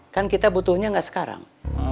kan kita butuhnya nggak sekarang